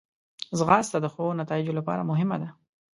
ځغاسته د ښو نتایجو لپاره مهمه ده